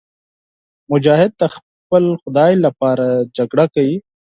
مجاهد د خپل خدای لپاره جګړه کوي.